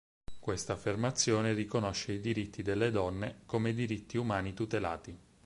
Questa affermazione riconosce i diritti delle donne come diritti umani tutelati.